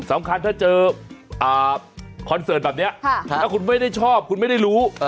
สำคัญถ้าเจอคอนเสิร์ตแบบนี้แล้วคุณไม่ได้ชอบคุณไม่ได้รู้